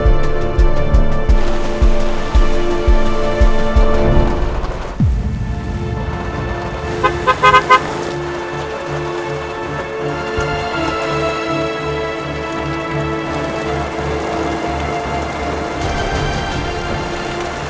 tidak tidak tidak